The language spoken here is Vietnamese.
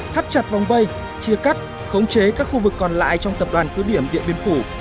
thắt chặt vòng vây chia cắt khống chế các khu vực còn lại trong tập đoàn cứ điểm điện biên phủ